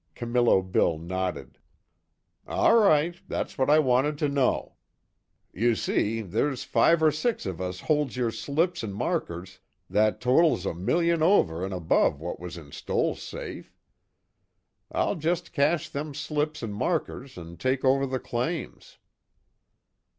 Camillo Bill nodded: "All right, that's what I wanted to know. You see, there's five or six of us holds your slips an' markers that totals a million over an' above what was in Stoell's safe. I'll jest cash them slips an' markers, an' take over the claims."